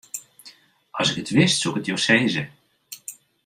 As ik it wist, soe ik it jo sizze.